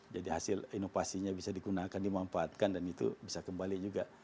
jadi hasil inovasinya bisa dikunakan dimanfaatkan dan itu bisa kembali juga